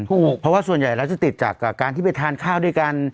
ถูกเพราะว่าส่วนใหญ่แล้วจะติดจากการที่ไปทานข้าวด้วยกัน